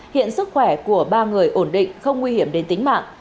hiện sức khỏe của ba người ổn định không nguy hiểm đến tính mạng